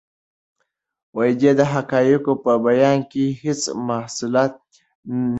دی د حقایقو په بیان کې هیڅ مصلحت نه مني.